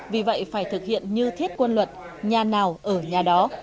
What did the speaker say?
vì vậy phải thực hiện như thiết quân luật nhà nào ở nhà đó